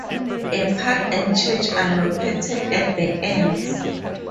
A park and church are located at the ends.